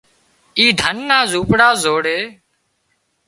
اي ڌنَ نا زونپڙا زوڙي